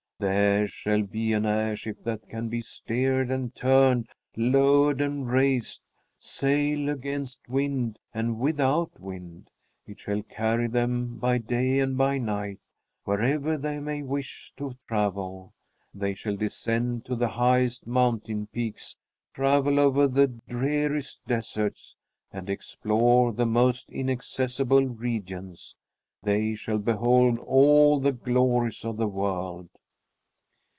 Theirs shall be an airship that can be steered and turned, lowered and raised, sail against wind and without wind. It shall carry them by day and by night, wherever they may wish to travel. They shall descend to the highest mountain peaks, travel over the dreariest deserts, and explore the most inaccessible regions. They shall behold all the glories of the world.